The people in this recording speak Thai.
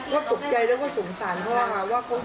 ว่าตกใจสงสารเขาว่าเขาอยู่ในสภาพยังไง